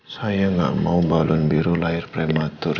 saya gak mau balun biru lahir prematur